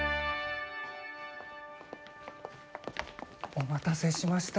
お待たせしました。